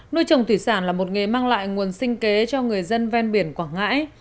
nuôi trồng thủy sản là một nghề mang lại nguồn sinh kế cho người dân ven biển quảng ngãi